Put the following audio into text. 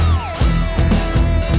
masih lu nunggu